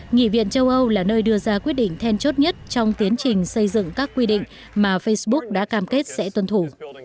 nghị viện châu âu là nơi đưa ra quyết định then chốt nhất trong tiến trình xây dựng các quy định mà facebook đã cam kết sẽ tuân thủ